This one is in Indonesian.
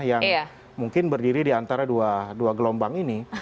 yang mungkin berdiri di antara dua gelombang ini